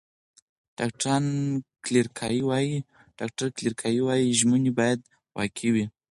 ډاکټره کلیر کای وايي، ژمنې باید واقعي وي.